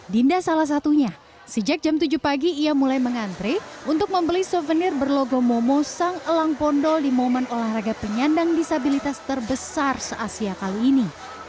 dinda salah satunya sejak jam tujuh pagi ia mulai mengantre untuk membeli souvenir berlogo momo sang elang bondol di momen olahraga penyandang disabilitas terbesar se asia kali ini